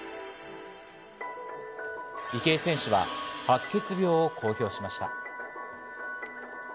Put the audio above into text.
池江選手は白血病を公表しました。